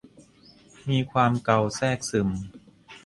มีความเกาแทรกซึม